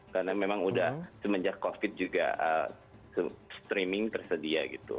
karena memang udah semenjak covid juga streaming tersedia gitu